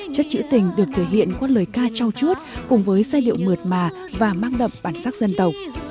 chất chữ tình được thể hiện qua lời ca trao chuốt cùng với giai điệu mượt mà và mang đậm bản sắc dân tộc